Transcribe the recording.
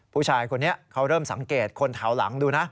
ผู้ชายคนนี้เขาเริ่มสังเกตคนแถวหลังดูนะ